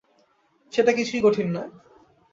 সেটা কিছুই কঠিন নয়।